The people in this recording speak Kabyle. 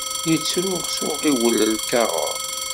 Yettṛuɣ s uɣiwel lkaɣeḍ.